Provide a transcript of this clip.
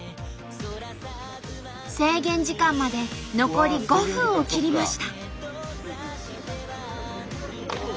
制限時間まで残り５分を切りました。